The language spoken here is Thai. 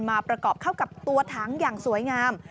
มาประกอบเข้ากับตัวถังอย่างสวยงาม